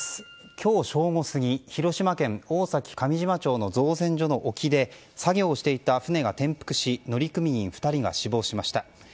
今日正午過ぎ広島県大崎上島町の造船所の沖で作業をしていた船が転覆し乗組員２人が死亡しました。